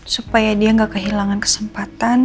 supaya dia gak kehilangan kesempatan